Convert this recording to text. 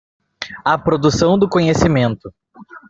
A produção do conhecimento.